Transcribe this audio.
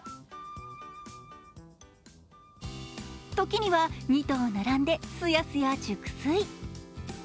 時には、２頭並んですやすや熟睡。